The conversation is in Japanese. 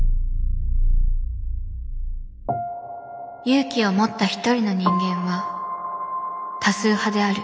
勇気を持った一人の人間は多数派である。